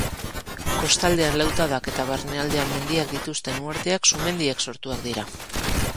Kostaldean lautadak eta barnealdean mendiak dituzten uharteak sumendiek sortuak dira.